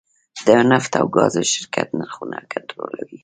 د نفت او ګاز شرکت نرخونه کنټرولوي؟